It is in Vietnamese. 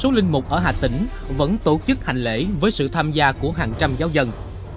vì một số linh mục ở hà tĩnh vẫn tổ chức hành lễ với sự tham gia của hàng trăm giáo dân